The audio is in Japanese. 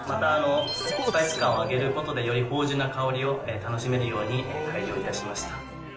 スパイス感を上げることで、芳じゅんな香りを楽しめるように改良いたしました。